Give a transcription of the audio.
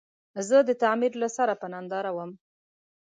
زه د تعمير له سره په ننداره ووم.